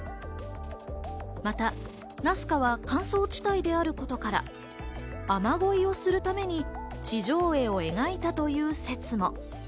またナスカは乾燥地帯であることから、雨ごいをするために地上絵を描いたという説も。